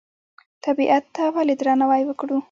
طبیعت ته ولې درناوی وکړو؟